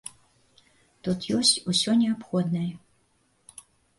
Тут ёсць усё неабходнае.